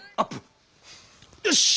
よし！